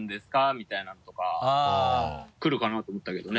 みたいなのとか来るかなと思ったけどね。